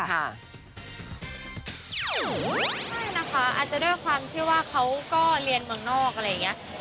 ใช่นะคะอาจจะด้วยความที่ว่าเขาก็เรียนเมืองนอกอะไรอย่างนี้